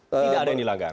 tidak ada yang dilanggar